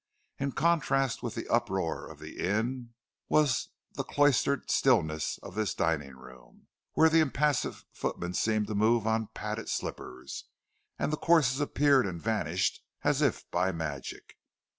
In contrast with the uproar of the inn was the cloistral stillness of this dining room, where the impassive footmen seemed to move on padded slippers, and the courses appeared and vanished as if by magic.